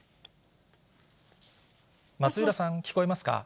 松浦さん、聞こえますか？